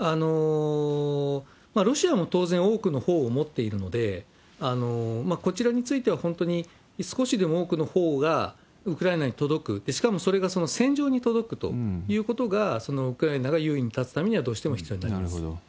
ロシアも当然多くの砲を持っているので、こちらについては、本当に少しでも多くの砲がウクライナに届く、しかもそれが戦場に届くということが、ウクライナが優位に立つためにはどうしても必要になります。